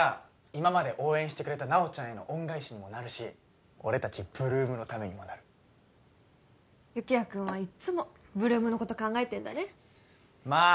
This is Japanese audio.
今まで応援してくれた奈緒ちゃんへの恩返しにもなるし俺達８ＬＯＯＭのためにもなる有起哉くんはいっつも８ＬＯＯＭのこと考えてるんだねまあ